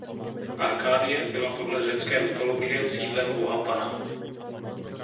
Arkádie byla podle řecké mytologie sídlem boha Pana.